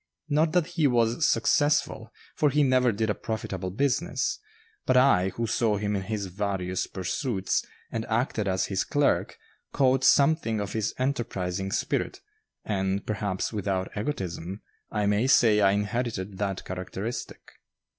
Not that he was successful, for he never did a profitable business; but I, who saw him in his various pursuits, and acted as his clerk, caught something of his enterprising spirit, and, perhaps without egotism, I may say I inherited that characteristic.